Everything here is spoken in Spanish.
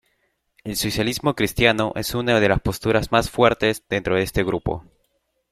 El socialismo cristiano es una de las posturas más fuertes dentro de este grupo.